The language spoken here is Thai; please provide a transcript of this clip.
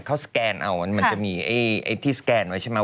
เขาสแกนเอามันจะมีไอ้ที่สแกนไว้ใช่ไหม